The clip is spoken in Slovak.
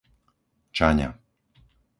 Čaňa